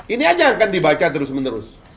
ini aja yang akan dibaca terus menerus